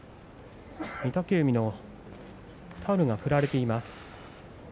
御嶽海のタオルが振られています。